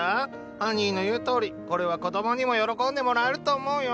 ハニーの言うとおりこれは子供にも喜んでもらえると思うよ。